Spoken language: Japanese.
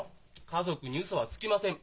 「家族にウソはつきません」。